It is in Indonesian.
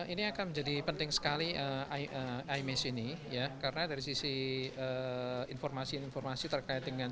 ini akan menjadi penting sekali image ini ya karena dari sisi informasi informasi terkait dengan